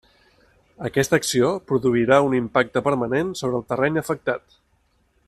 Aquesta acció produirà un impacte permanent sobre el terreny afectat.